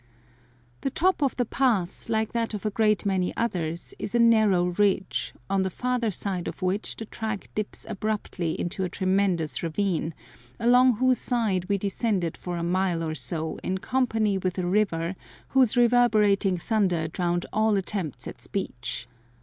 The top of the pass, like that of a great many others, is a narrow ridge, on the farther side of which the track dips abruptly into a tremendous ravine, along whose side we descended for a mile or so in company with a river whose reverberating thunder drowned all attempts at speech.